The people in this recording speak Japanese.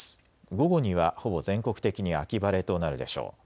午後には、ほぼ全国的に秋晴れとなるでしょう。